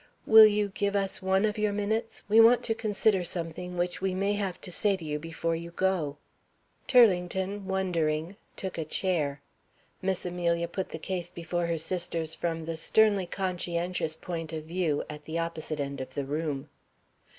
"Will you give us one of your minutes? We want to consider something which we may have to say to you before you go." Turlington, wondering, took a chair. Miss Amelia put the case before her sisters from the sternly conscientious point of view, at the opposite end of the room.